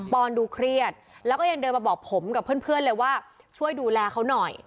อนดูเครียดแล้วก็ยังเดินมาบอกผมกับเพื่อนเลยว่าช่วยดูแลเขาหน่อย